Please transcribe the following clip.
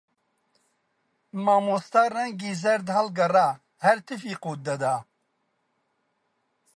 مامۆستا ڕەنگی زەرد هەڵگەڕا، هەر تفی قووت دەدا